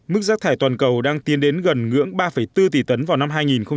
mức rác thải toàn cầu đang tiến đến gần ngưỡng ba bốn tỷ tấn vào năm hai nghìn ba mươi